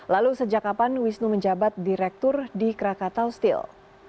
lalu sejak kapan wisnu menjabat direktur di krakatau steel